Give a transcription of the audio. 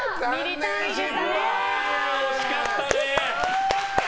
惜しかったね。